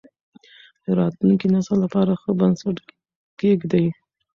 د راتلونکي نسل لپاره ښه بنسټ کېږدئ.